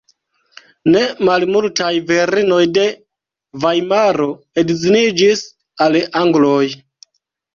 Ne malmultaj virinoj de Vajmaro edziniĝis al angloj.